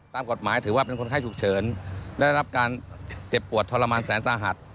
ตามกฎหมายถือว่าเป็นคนไข้ฉุกเฉินได้รับการเจ็บปวดทรมานแสนสาหัส